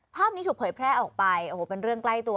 ภาพนี้ถูกเผยแพร่ออกไปโอ้โหเป็นเรื่องใกล้ตัว